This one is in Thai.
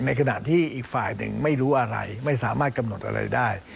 ในขณะที่อีกฝ่ายหนึ่งไม่รู้อะไรไม่สามารถกำหนดอะไรได้